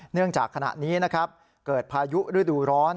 เนื่องจากขณะนี้นะครับเกิดพายุฤดูร้อน